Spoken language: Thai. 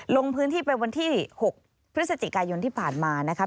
ลงพื้นที่ไปวันที่๖พฤศจิกายนที่ผ่านมานะครับ